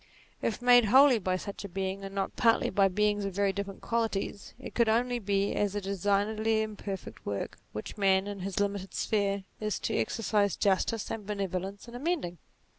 If made wholly by such a Being, and not partly by beings of very different qualities, it could only be as a designedly imperfect work, which man, in his limited sphere, is to exercise justice and bene volence in amending.